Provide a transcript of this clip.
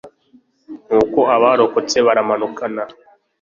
nuko abarokotse baramanukana